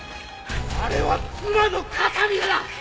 あれは妻の形見だ！